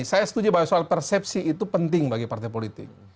saya setuju bahwa soal persepsi itu penting bagi partai politik